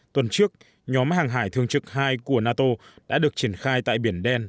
tuần trước nhóm hàng hải thường trực hai của nato đã được triển khai tại biển đen